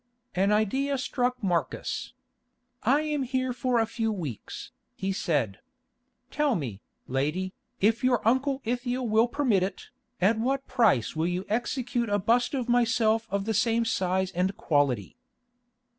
An idea struck Marcus. "I am here for a few weeks," he said. "Tell me, lady, if your uncle Ithiel will permit it, at what price will you execute a bust of myself of the same size and quality?"